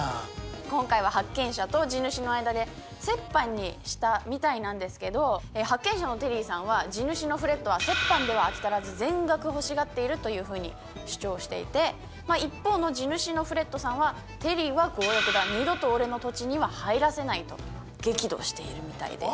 今回は発見者と地主の間で折半にしたみたいなんですけど発見者のテリーさんは「地主のフレッドは折半では飽き足らず全額欲しがっている」というふうに主張していて一方の地主のフレッドさんは「テリーは強欲だ！二度と俺の土地には入らせない」と激怒しているみたいです。